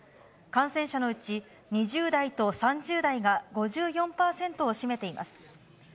感染者のうち、２０代と３０代が５４％を占めています。